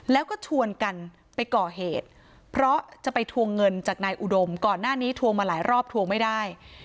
แล้วก็ชวนกันไปก่อเหตุเพราะจะไปทวงเงินจากนายอุดมก่อนหน้านี้ทวงมาหลายรอบทวงไม่ได้